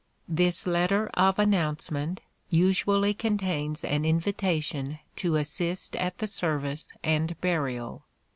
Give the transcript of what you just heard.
This letter of announcement usually contains an invitation to assist at the service and burial.